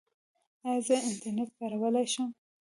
ایا زه انټرنیټ کارولی شم؟